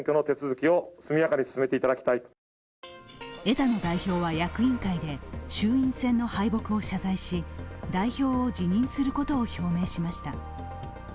枝野代表は役員会で、衆院選の敗北を謝罪し代表を辞任することを表明しました。